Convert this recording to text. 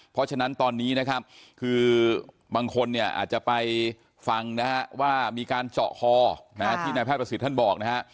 เพราะฉะนั้นตอนนี้คือบางคนอาจจะไปฟังว่ามีการเจาะคอที่นายแพทย์ประสิทธิ์บอก